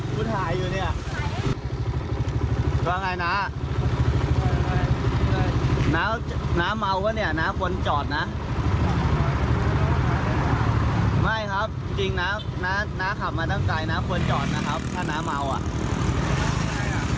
การที่นับสำคัญนะควรจอดนะครับถ้าน้าเมาอ่ะ